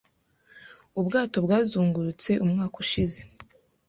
Ubwato bwazungurutse umwaka ushize.